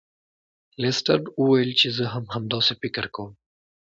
لیسټرډ وویل چې زه هم همداسې فکر کوم.